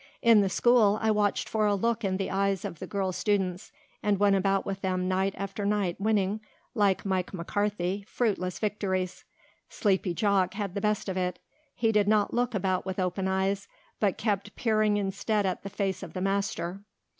In the school I watched for a look in the eyes of the girl students and went about with them night after night winning, like Mike McCarthy, fruitless victories. Sleepy Jock had the best of it. He did not look about with open eyes but kept peering instead at the face of the master.